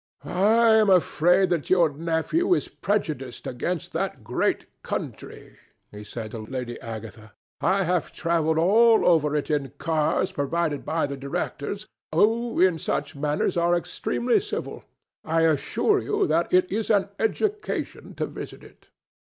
"I am afraid that your nephew is prejudiced against that great country," he said to Lady Agatha. "I have travelled all over it in cars provided by the directors, who, in such matters, are extremely civil. I assure you that it is an education to visit it."